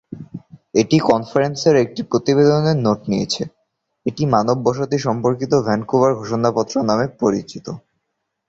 এটি কনফারেন্সের একটি প্রতিবেদনের নোট নিয়েছে, এটি মানব বসতি সম্পর্কিত ভ্যানকুভার ঘোষণাপত্র নামে পরিচিত।